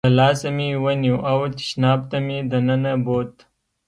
له لاسه مې ونیو او تشناب ته مې دننه بوت.